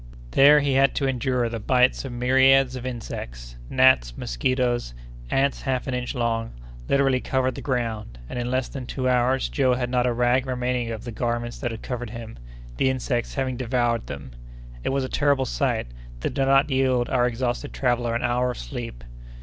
There he had to endure the bites of myriads of insects—gnats, mosquitoes, ants half an inch long, literally covered the ground; and, in less than two hours, Joe had not a rag remaining of the garments that had covered him, the insects having devoured them! It was a terrible night, that did not yield our exhausted traveller an hour of sleep.